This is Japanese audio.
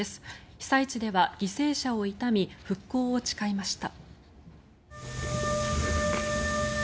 被災地では犠牲者を悼み復興を誓いました。